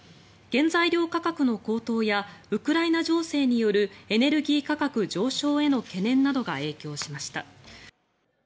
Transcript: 原材料価格の高騰やウクライナ情勢によるエネルギー価格上昇への懸念などが影響しました。